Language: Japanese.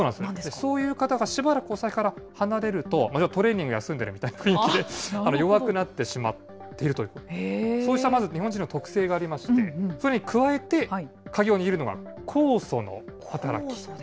そういう方が、しばらくお酒から離れると、トレーニング休んでるみたいな雰囲気で、弱くなってしまっているといった、そうした、まず日本人の特性がありまして、さらに加えて、鍵を握るのが酵素の働き。